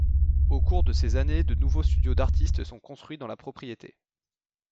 Au cours de ces années, de nouveaux studios d'artistes sont construits dans la propriété.